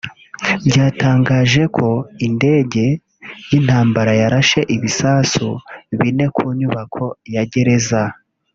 byatangaje ko indege y’intambara yarashe ibisasu bine ku nyubako ya gereza